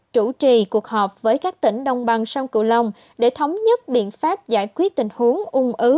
chủ trì cuộc họp với các tỉnh đồng bằng sông cửu long để thống nhất biện pháp giải quyết tình huống ung ứ